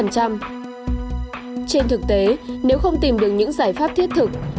trên thực tế nếu không tìm được những giải pháp thiết thực